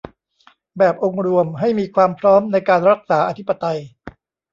แบบองค์รวมให้มีความพร้อมในการรักษาอธิปไตย